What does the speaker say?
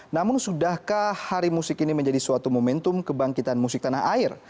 namun sudahkah hari musik ini menjadi suatu momentum kebangkitan musik tanah air